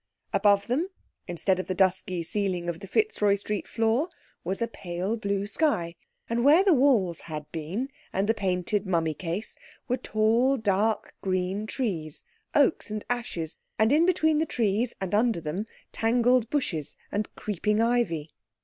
Above them, instead of the dusky ceiling of the Fitzroy Street floor, was a pale blue sky. And where the walls had been and the painted mummy case, were tall dark green trees, oaks and ashes, and in between the trees and under them tangled bushes and creeping ivy.